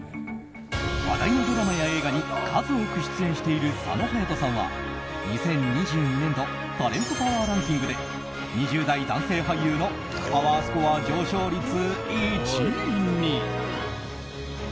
話題のドラマや映画に数多く出演されている佐野勇斗さんは、２０２２年度タレントパワーランキングで２０代男性俳優のパワースコア上昇率１位に。